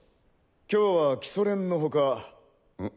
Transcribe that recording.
今日は基礎練の他ん？